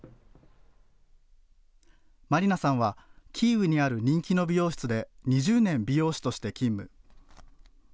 マリナさんはキーウにある人気の美容室で２０年、美容師として勤務。